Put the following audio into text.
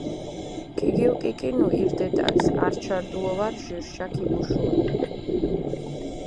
ქიგიოკიკინუ ირ დეტალს, ართშა რდუო დო ვარ ჟირშა ქიგუშურუ.